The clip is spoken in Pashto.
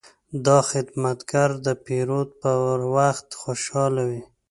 دا خدمتګر د پیرود پر وخت خوشحاله وي.